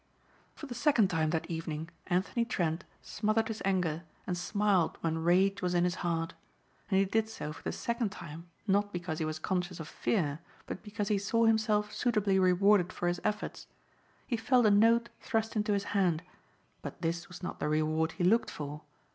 For the second time that evening Anthony Trent smothered his anger and smiled when rage was in his heart. And he did so for the second time not because he was conscious of fear but because he saw himself suitably rewarded for his efforts. He felt a note thrust into his hand but this was not the reward he looked for.